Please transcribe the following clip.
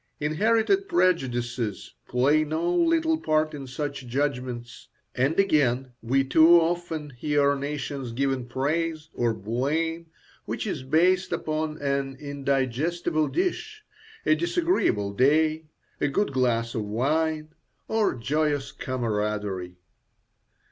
Inherited prejudices play no little part in such judgments; and, again, we too often hear nations given praise or blame which is based upon an indigestible dish, a disagreeable day, a good glass of wine, or joyous camaraderie.